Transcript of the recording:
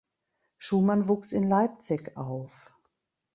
Schumann wuchs in Leipzig auf.